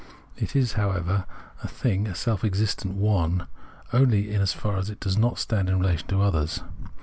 It is, however, a thing, a self existent "one," only so far as it does not stand in relation to others.